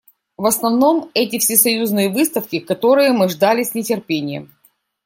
В основном, эти Всесоюзные выставки, которые мы ждали с нетерпением.